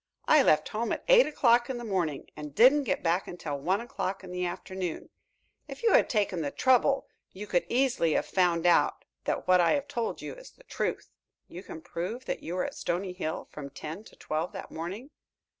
I left home at eight o'clock in the morning and didn't get back until one o'clock in the afternoon. If you had taken the trouble you could easily have found out that what I have told you is the truth." "You can prove that you were at Stony Hill from ten to twelve that morning?"